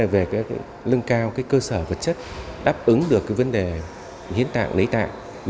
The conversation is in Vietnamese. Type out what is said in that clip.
về lưng cao cơ sở vật chất đáp ứng được vấn đề hiến tạng lấy tạng